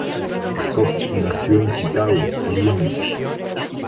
Scott nació en Chicago, Illinois.